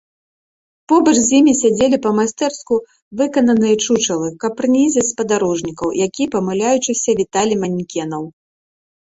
Побач з імі сядзелі па-майстэрску выкананыя чучалы, каб прынізіць падарожнікаў, якія памыляючыся віталі манекенаў.